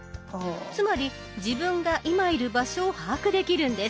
つまり自分が今いる場所を把握できるんです。